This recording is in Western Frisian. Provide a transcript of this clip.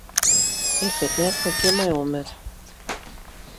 Ik wit net hoe't ik hjir mei oan moat.